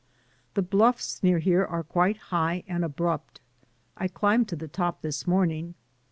The bluffs near here are quite high and abrupt. I climbed to the top this morning.